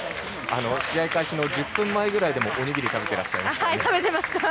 試合開始の１０分前ぐらいでもお握り食べてらっしゃいましたはい、食べてました。